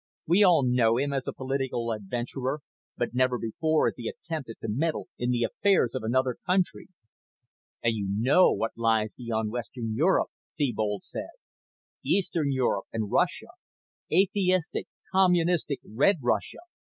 We all know him as a political adventurer, but never before has he attempted to meddle in the affairs of another country!" "And you know what lies beyond Western Europe," Thebold said. "Eastern Europe and Russia. Atheistic, communistic Red Russia.